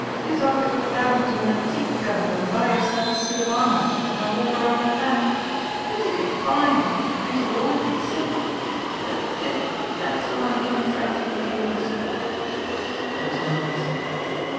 Youse ought to go down to an antique dump an' buy yerself a suit of armour, an' walk around in dat. Youse'd look fine an' youse'd always be safe. De pip, dat's wot I'm contractu!' from youse!" There was no answer.